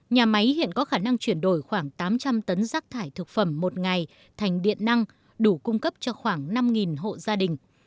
nhà máy hiện có khả năng chuyển đổi khoảng tám trăm linh tấn rác thải thực phẩm một ngày thành điện năng đủ cung cấp cho khoảng năm hộ gia đình